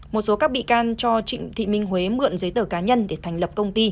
một số các bị can cho trịnh thị minh huế mượn giấy tờ cá nhân để thành lập